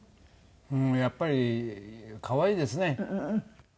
やっぱり可愛いですね。